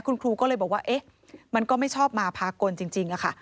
คุณครูก็เลยบอกว่าเอ๊ะมันก็ไม่ชอบมาพากลจริงค่ะ